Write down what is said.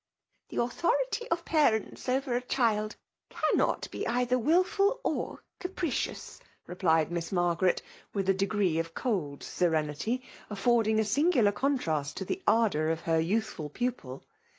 The authority of parents over a child cannot be either wilful or capricious/' replied Miss Margaret^ with a degree of cold serenity affording a singular contrast to the ardour of her youthful pupil.